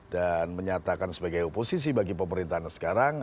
dan menyatakan sebagai oposisi bagi pemerintahan sekarang